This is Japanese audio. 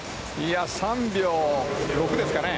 ３秒６ですかね。